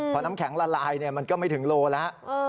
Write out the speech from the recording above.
พอน้ำแข็งละลายมันก็ไม่ถึงโลแล้ว